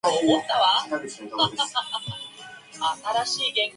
台北市民表示